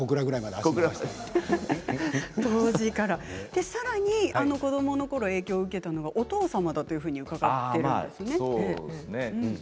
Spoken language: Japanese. すでに子どものころ影響を受けたのがお父様だと伺っているそうですね。